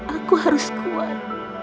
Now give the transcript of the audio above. aku harus kuat